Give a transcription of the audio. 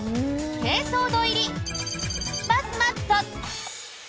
珪藻土入り○○バスマット。